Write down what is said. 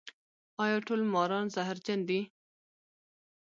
ایا ټول ماران زهرجن دي؟